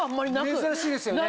珍しいですよね？